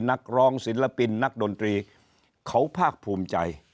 นักร้องศิลปินนักดนตรีเขาภาคภูมิใจ